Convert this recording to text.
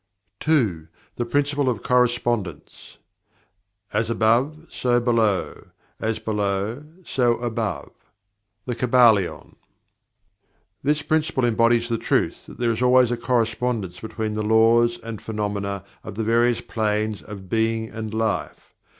2. The Principle of Correspondence "As above, so below; as below, so above." The Kybalion. This Principle embodies the truth that there is always a Correspondence between the laws and phenomena of the various planes of Being and Life.